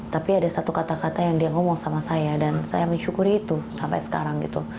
tapi ada satu kata kata yang dia ngomong sama saya dan saya mensyukuri itu sampai sekarang gitu